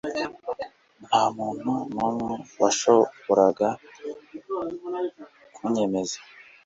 nta muntu n'umwe washoboraga kunyemeza